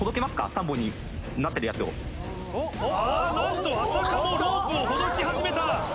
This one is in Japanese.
なんと安積もロープをほどき始めた！